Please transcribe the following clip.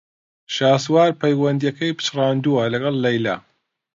شاسوار پەیوەندییەکەی پچڕاندووە لەگەڵ لەیلا.